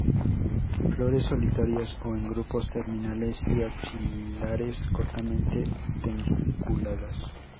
Flores solitarias o en grupos, terminales y axilares, cortamente pedunculadas.